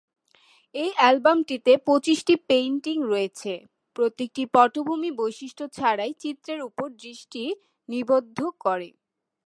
এই অ্যালবামটিতে পঁচিশটি পেইন্টিং রয়েছে, প্রত্যেকটি পটভূমি বৈশিষ্ট্য ছাড়াই চিত্রের উপর দৃষ্টি নিবদ্ধ করে।